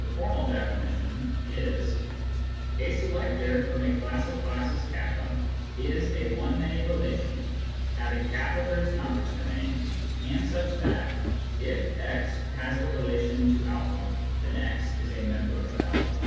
The formal definition is : A " selector " from a class of classes *c is a one many relation, having k for its converse domain, and such that, if x has the relation to a, then x is a member of a.